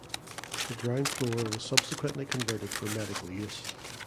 The ground floor was subsequently converted for medical use.